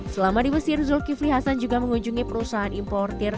selama di mesir zulkifli hasan juga mengunjungi perusahaan importer